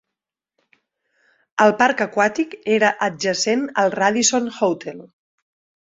El parc aquàtic era adjacent al Radisson Hotel.